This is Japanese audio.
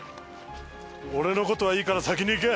俺の事はいいから、先に行け！